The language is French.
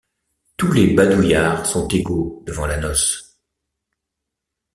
Tous les badouillards sont égaux devant la noce.